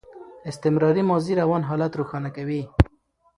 استمراري ماضي روان حالت روښانه کوي.